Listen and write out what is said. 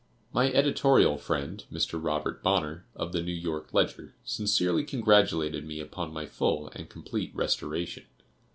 My editorial friend, Mr. Robert Bonner, of the New York Ledger, sincerely congratulated me upon my full and complete restoration.